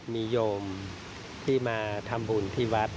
มีโยมที่มาทำบุญที่วัด